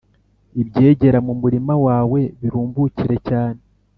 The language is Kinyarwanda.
ibyera mu murima wawe birumbukire cyane